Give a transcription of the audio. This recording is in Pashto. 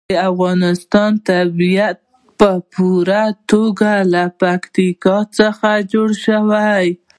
د افغانستان طبیعت په پوره توګه له پکتیکا څخه جوړ شوی دی.